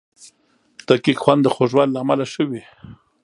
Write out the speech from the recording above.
د کیک خوند د خوږوالي له امله ښه وي.